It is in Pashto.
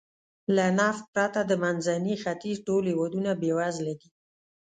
له نفت پرته د منځني ختیځ ټول هېوادونه بېوزله دي.